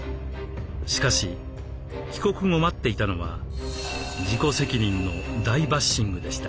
しかし帰国後待っていたのは「自己責任」の大バッシングでした。